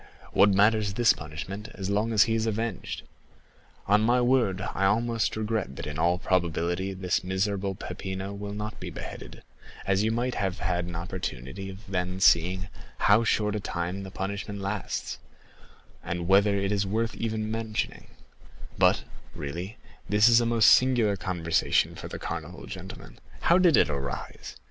What matters this punishment, as long as he is avenged? On my word, I almost regret that in all probability this miserable Peppino will not be beheaded, as you might have had an opportunity then of seeing how short a time the punishment lasts, and whether it is worth even mentioning; but, really this is a most singular conversation for the Carnival, gentlemen; how did it arise?